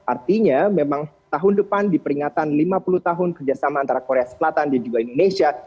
artinya memang tahun depan di peringatan lima puluh tahun kerjasama antara korea selatan dan juga indonesia